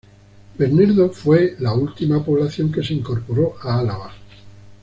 Bernedo fue la última población que se incorporó a Álava.